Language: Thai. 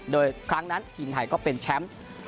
โดยครั้งนั้นทีมไทยก็เป็นแชมป์